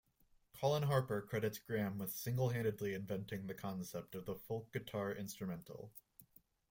Colin Harper credits Graham with single-handedly inventing the concept of the folk guitar instrumental.